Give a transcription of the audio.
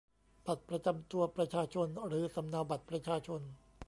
บัตรประจำตัวประชาชนหรือสำเนาบัตรประชาชน